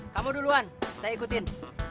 kamu duluan saya ikutin